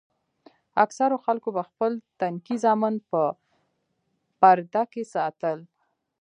اکثرو خلکو به خپل تنکي زامن په پرده کښې ساتل.